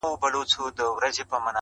ټولنه لا هم زده کړه کوي,